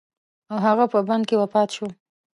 او هغه په بند کې وفات شو.